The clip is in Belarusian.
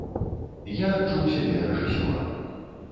Я адчуў сябе рэжысёрам.